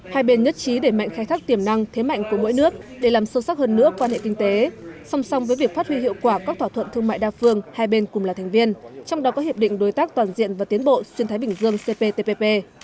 hai bên nhất trí để mạnh khai thác tiềm năng thế mạnh của mỗi nước để làm sâu sắc hơn nữa quan hệ kinh tế song song với việc phát huy hiệu quả các thỏa thuận thương mại đa phương hai bên cùng là thành viên trong đó có hiệp định đối tác toàn diện và tiến bộ xuyên thái bình dương cptpp